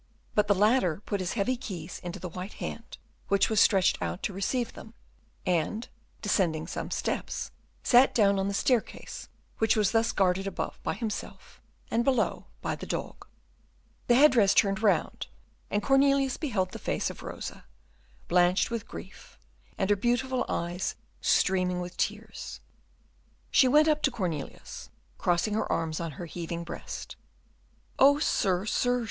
But the latter put his heavy keys into the white hand which was stretched out to receive them, and, descending some steps, sat down on the staircase which was thus guarded above by himself, and below by the dog. The head dress turned round, and Cornelius beheld the face of Rosa, blanched with grief, and her beautiful eyes streaming with tears. She went up to Cornelius, crossing her arms on her heaving breast. "Oh, sir, sir!"